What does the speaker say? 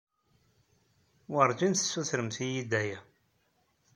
Werjin tessutremt-iyi-d aya.